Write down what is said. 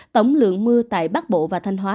tổng lượng mưa tại bắc bộ và thanh hóa